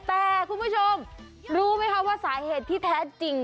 แต่คุณผู้ชมรู้ไหมคะว่าสาเหตุที่แท้จริง